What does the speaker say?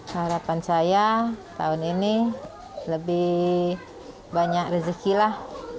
harapan saya tahun ini lebih banyak rezeki lah